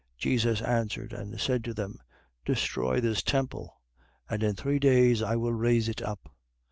2:19. Jesus answered and said to them: Destroy this temple; and in three days I will raise it up.